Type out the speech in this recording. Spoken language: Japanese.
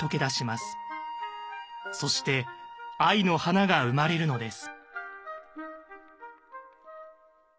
そして藍の華が生まれるのです。